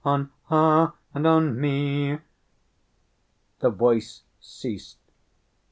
On her and on me! The voice ceased.